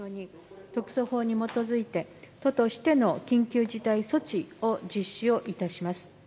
特措法に基づいて、都としての緊急事態措置を実施をいたします。